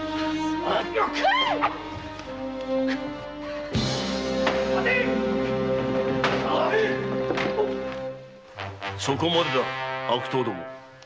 そこまでだ悪党ども。